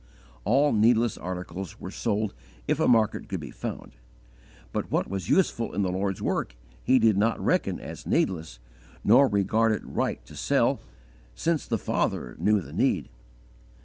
All needless articles were sold if a market could be found. But what was useful in the Lord's work he did not reckon as needless, nor regard it right to sell, since the Father knew the need.